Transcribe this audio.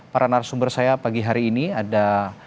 para narasumber saya pagi hari ini ada